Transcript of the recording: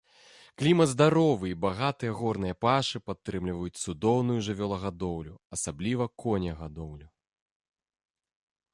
Клімат здаровы, і багатыя горныя пашы падтрымліваюць цудоўную жывёлагадоўлю, асабліва конегадоўлю.